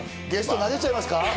ゲスト、投げちゃいますか？